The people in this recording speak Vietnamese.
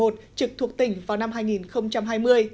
trực thuộc tỉnh vào năm hai nghìn hai mươi